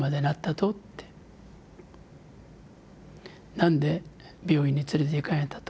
「なんで病院に連れていかんやったと？」